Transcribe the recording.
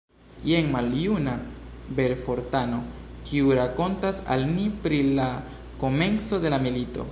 Jen maljuna Belfortano, kiu rakontas al ni pri la komenco de la milito.